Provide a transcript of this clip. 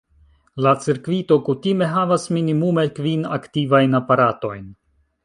La cirkvito kutime havas minimume kvin aktivajn aparatojn.